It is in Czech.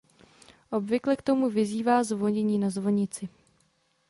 Obvykle k tomu vyzývá zvonění na zvonici.